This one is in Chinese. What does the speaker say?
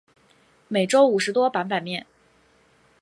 每周五十多版版面。